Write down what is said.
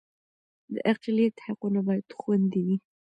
د اقلیت حقونه باید خوندي وي